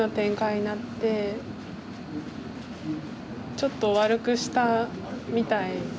ちょっと悪くしたみたい。